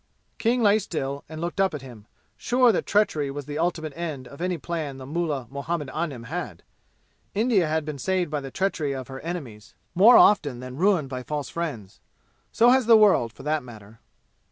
King lay still and looked up at him, sure that treachery was the ultimate end of any plan the mullah Muhammad Anim had. India has been saved by the treachery of her enemies more often than ruined by false friends. So has the world, for that matter.